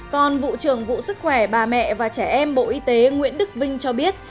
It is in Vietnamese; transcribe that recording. còn vụ trưởng vụ sức khỏe bà mẹ và trẻ em bộ y tế nguyễn đức vinh cho biết